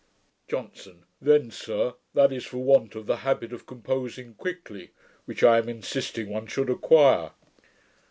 JOHNSON. 'Then, sir, that is for want of the habit of composing quickly, which I am insisting one should acquire.'